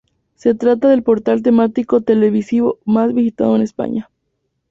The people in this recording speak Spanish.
Se trata del portal temático televisivo más visitado en España.